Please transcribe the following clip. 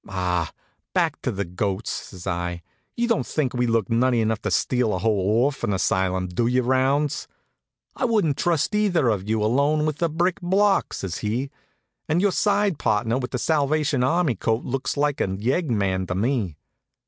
"Ah, back to the goats!" says I. "You don't think we look nutty enough to steal a whole orphan asylum, do you, Rounds?" "I wouldn't trust either of you alone with a brick block," says he. "And your side partner with the Salvation Army coat on looks like a yegg man to me."